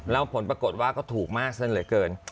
แล้วผลปรากฏว่าก็ถูกมากซะเหลือเกิน